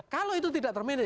kalau itu tidak termedia